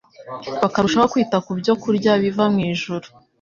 bakarushaho kwita ku byokurya biva mu ijuru,